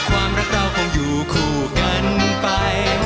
ความรักเราคงอยู่คู่กันไป